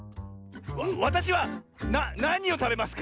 わたしはなにをたべますか？